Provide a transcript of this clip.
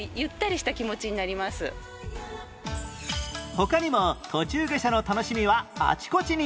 他にも途中下車の楽しみはあちこちに